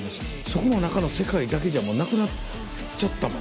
そこの中の世界だけじゃもうなくなっちゃったもんね。